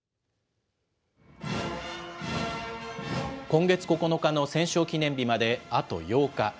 今月９日の戦勝記念日まで、あと８日。